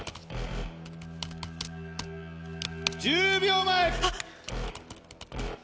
１０秒前！